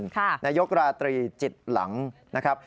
นายกราตรีจิตหลังนะครับ